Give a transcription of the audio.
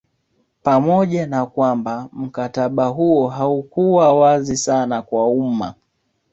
Pamoja na kwamba mkataba huo haukuwa wazi sana kwa umma